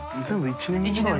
１年ぐらい。